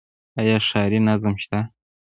آیا ښاري نظم شته؟